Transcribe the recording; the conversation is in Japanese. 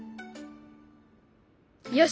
よし！